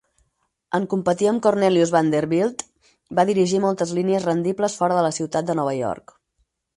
En competir amb Cornelius Vanderbilt, va dirigir moltes línies rendibles fora de la ciutat de Nova York.